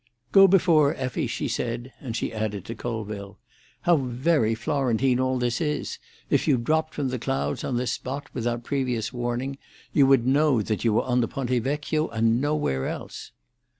"Go before, Effie," she said; and she added, to Colville, "How very Florentine all this is! If you dropped from the clouds on this spot without previous warning, you would know that you were on the Ponte Vecchio, and nowhere else."